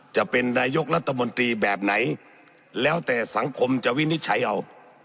จะเป็นนายกรัฐมนตรีแบบไหนแล้วแต่สังคมจะวินิจฉัยเอา